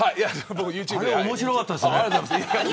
あれ、面白かったですね。